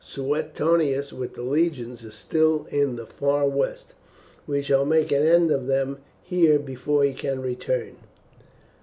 Suetonius, with the legions, is still in the far west. We shall make an end of them here before he can return.